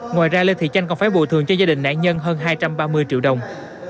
ngoài ra lê thị chanh còn phải bồi thường cho gia đình nạn nhân hơn hai trăm ba mươi triệu đồng